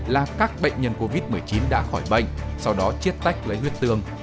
là các bệnh nhân covid một mươi chín đã khỏi bệnh sau đó chiết tách lấy huyết tương